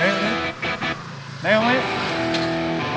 eh jangan lupa pilih rizal